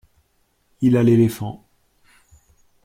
Il a l’éléphant.